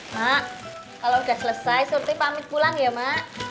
mak kalau udah selesai surti pamit pulang ya mak